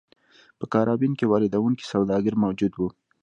په کارابین کې واردوونکي سوداګر موجود وو.